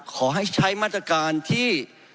ขอให้ใช้มาตรการที่